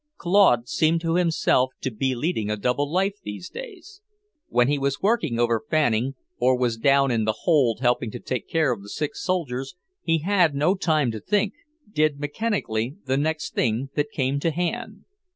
Claude seemed to himself to be leading a double life these days. When he was working over Fanning, or was down in the hold helping to take care of the sick soldiers, he had no time to think, did mechanically the next thing that came to hand.